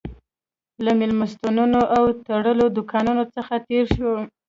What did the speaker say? له مېلمستونونو او تړلو دوکانونو څخه تېر شوو.